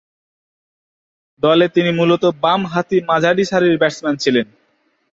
দলে তিনি মূলতঃ বামহাতি মাঝারিসারির ব্যাটসম্যান ছিলেন।